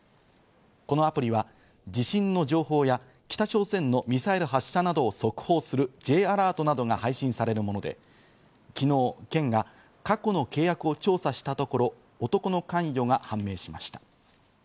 このアプリは地震の情報や北朝鮮のミサイル発射などを速報するＪアラートなどが配信されるもので、昨日、県が過去の契約を調査したところ、男の関与が判明しました。